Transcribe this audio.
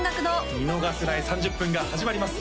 見逃せない３０分が始まります